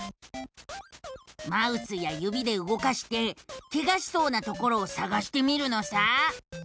マウスやゆびでうごかしてケガしそうなところをさがしてみるのさ。